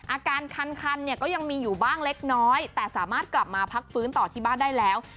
อาการคันเนี่ยก็ยังมีอยู่บ้างเล็กน้อยแต่สามารถกลับมาพักฟื้นต่อที่บ้านได้แล้ว